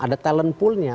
ada talent poolnya